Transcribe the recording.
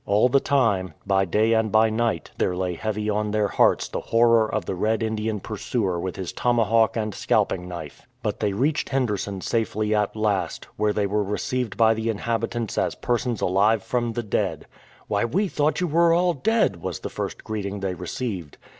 All the time, by day and by night, there lay heavy upon their hearts the horror of the Red Indian pursuer with his tomahawk and scalping knife. But they reached Henderson safely at last, where they were received by the inhabitants as persons alive from the dead. " ^Vhy, we thought you were all dead !" was the first greeting they received.